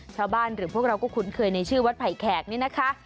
หรือพวกเราก็คุ้นเคยในชื่อวัดไผ่แขกนี่นะคะ